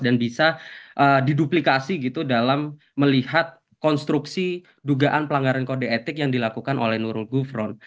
dan bisa diduplikasi dalam melihat konstruksi dugaan pelanggaran kode etik yang dilakukan oleh nurul gufron